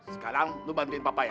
sekarang lu bantuin papa ya